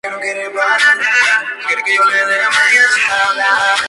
Esto conduce al incremento del volumen urinario.